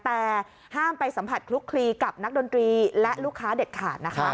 แต่ห้ามไปสัมผัสคลุกคลีกับนักดนตรีและลูกค้าเด็ดขาดนะคะ